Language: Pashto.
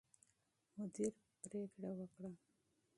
مدیر پرېکړه وکړه.